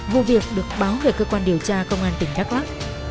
vụ việc được báo về cơ quan điều tra công an tỉnh đắk lắc